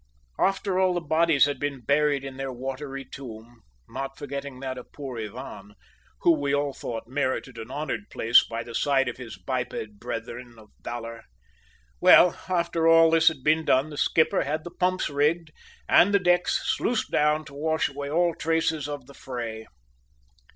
After all the bodies had been buried in their watery tomb, not forgetting that of poor Ivan, who we all thought merited an honoured place by the side of his biped brethren of valour well, after all this had been done the skipper had the pumps rigged and the decks sluiced down to wash away all traces of the fray.